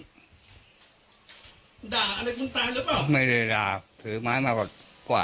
ด่าอะไรคุณตาหรือเปล่าไม่ได้ด่าถือไม้มาก่อนกวาด